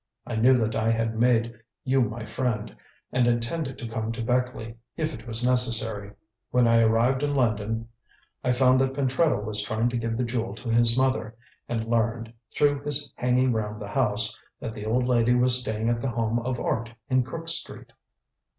I knew that I had made you my friend, and intended to come to Beckleigh, if it was necessary. When I arrived in London I found that Pentreddle was trying to give the Jewel to his mother, and learned through his hanging round the house that the old lady was staying at The Home of Art, in Crook Street."